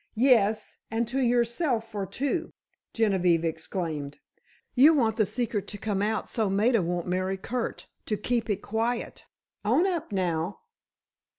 "Yes, and to yourself for two!" Genevieve exclaimed. "You want the secret to come out so Maida won't marry Curt to keep it quiet! Own up, now."